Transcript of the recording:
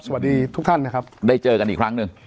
สวัสดีทุกท่านนะครับได้เจอกันอีกครั้งหนึ่ง